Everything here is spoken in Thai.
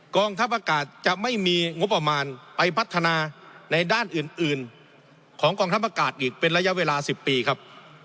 กองทัพอากาศจะไม่มีงบประมาณไปพัฒนาในด้านอื่นของกองทัพอากาศอีกเป็นระยะเวลา๑๐ปีครับ